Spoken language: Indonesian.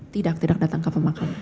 tidak tidak datang ke pemakaman